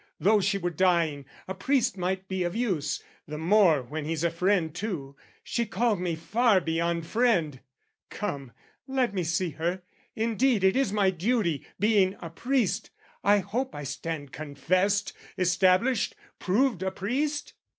Though she were dying, a priest might be of use, The more when he's a friend too, she called me Far beyond "friend." Come, let me see her indeed It is my duty, being a priest: I hope I stand confessed, established, proved a priest?